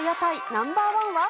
ナンバーワンは？